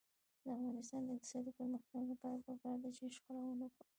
د افغانستان د اقتصادي پرمختګ لپاره پکار ده چې شخړه ونکړو.